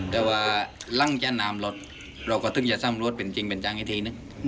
แต่ว่าล่างจะนำหลดเราก็ต้องจะซ่ำลดเป็นจริงเป็นจังให้ที่นึก